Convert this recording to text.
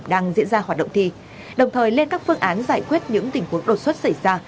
đang diễn ra hoạt động thi đồng thời lên các phương án giải quyết những tình huống đột xuất xảy ra